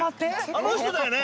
あの人だよね。